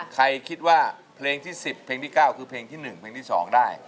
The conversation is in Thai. ใครคิดว่าเพลงที่๑๐เพลงที่๙คือเพลงที่๑เพลงที่๒ได้